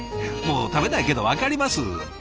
もう食べないけど分かります。